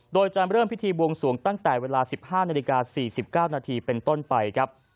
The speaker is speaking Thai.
โดยจะเริ่มพิธีบวงสวงตั้งแต่เวลาสิบห้านาฬิกาสี่สิบเก้านาทีเป็นต้นไปครับ